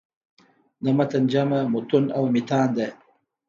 د متن جمع "مُتون" او "مِتان" ده.